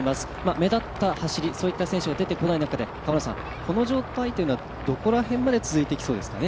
目立った走り、そういった選手が出てこない中でこの状態というのはどこら辺まで続いていきそうですかね？